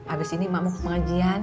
abis ini ma mau ke pengajian